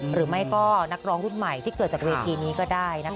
หรือไม่ก็นักร้องรุ่นใหม่ที่เกิดจากเวทีนี้ก็ได้นะคะ